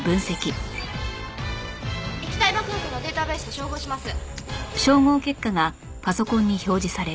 液体爆薬のデータベースと照合します。